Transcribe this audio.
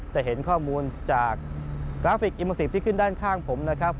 จะเห็นข้อมูลจากกราฟิกอิโมซิกที่ขึ้นด้านข้างผมนะครับ